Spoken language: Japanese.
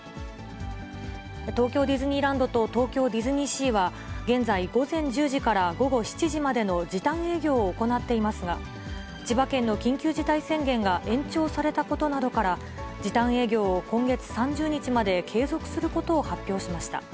東京ディズニーランドと東京ディズニーシーは現在、午前１０時から午後７時までの時短営業を行っていますが、千葉県の緊急事態宣言が延長されたことなどから、時短営業を今月３０日まで継続することを発表しました。